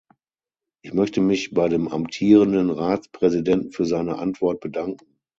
Ich möchte mich bei dem amtierenden Ratspräsidenten für seine Antwort bedanken.